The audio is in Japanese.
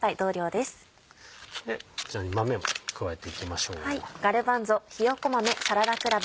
こちらに豆を加えていきましょう。